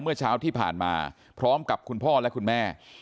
เมื่อเช้าที่ผ่านมาพร้อมกับคุณพ่อและคุณแม่